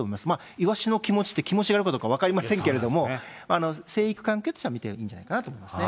イワシの気持ちって、気持ちがあるかどうか分かりませんけれども、成育環境としてみればいいと思いますね。